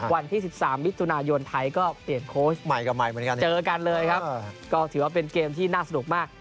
วันที่๑๓วิทยุนายนไทยก็เปลี่ยนโค้ชเจอกันเลยครับก็ถือว่าเป็นเกมที่น่าสนุกมาก